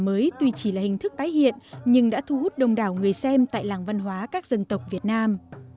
lễ mừng nhà mới tuy chỉ là hình thức tái hiện nhưng đã thu hút đông đảo người xem tại làng văn hóa các dân tộc việt nam